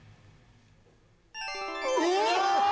えっ！